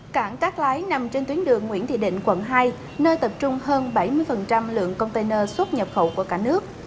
cảng cát lái nằm trên tuyến đường nguyễn thị định quận hai nơi tập trung hơn bảy mươi lượng container xuất nhập khẩu của cả nước